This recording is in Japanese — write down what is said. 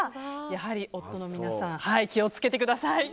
やはり夫の皆さん気を付けてください。